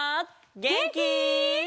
げんき？